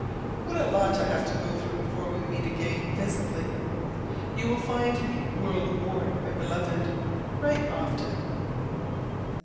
What a lot I have to go through before we meet again visibly! You will find me world worn, my Beloved! Write often.